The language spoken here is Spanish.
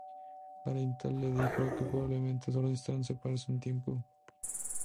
Arenita le dijo que probablemente solo necesitaban separarse un tiempo.